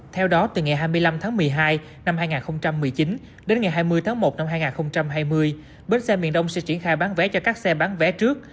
theo đó từ ngày hai mươi năm tháng một mươi hai năm hai nghìn một mươi chín đến ngày hai mươi tháng một năm hai nghìn hai mươi bến xe miền đông sẽ triển khai bán vé cho các xe bán vé trước